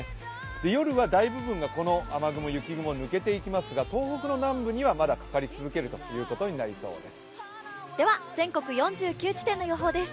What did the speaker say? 夜は大部分がこの雨雲、雪雲抜けていきますが東北の南部には、まだかかり続けるということになりそうです。